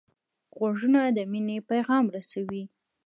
غوږونه د مینې پیغام رسوي